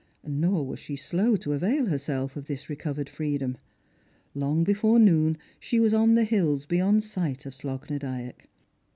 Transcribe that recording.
Nor was she slow to avail herself of this recovered freedom. Long before noon she was on the hills beyond sight of Slogh na Dyack.